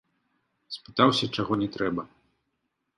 Спытаўся, чаго не трэба.